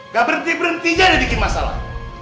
gak berhenti berhentinya dia bikin masalah